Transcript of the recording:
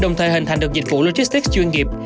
đồng thời hình thành được dịch vụ logistics chuyên nghiệp